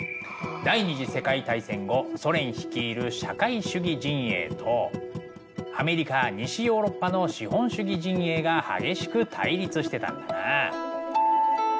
第２次世界大戦後ソ連率いる社会主義陣営とアメリカ西ヨーロッパの資本主義陣営が激しく対立してたんだな。